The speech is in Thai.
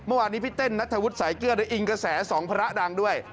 เมื่อวานนี้พี่เต้นนัทธวุฒิสายเกลือได้อิงกระแสสองพระดังด้วย